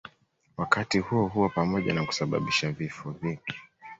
Wakati huohuo pamoja na kusababisha vifo vingi